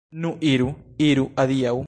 Nu iru, iru, adiaŭ!